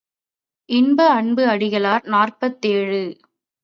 இன்ப அன்பு அடிகளார் நாற்பத்தேழு.